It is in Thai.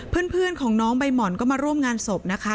เพื่อนของน้องใบหม่อนก็มาร่วมงานศพนะคะ